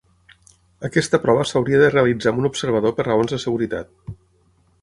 Aquesta prova s'hauria de realitzar amb un observador per raons de seguretat.